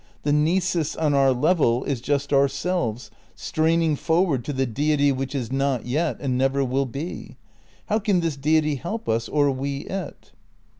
The nisus on our level is just our selves, straining forward to the Deity which is not yet, and never will be. How can this Deity help us, or we it?